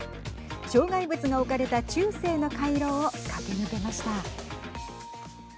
障害物が置かれた中世の回廊を駆け抜けました。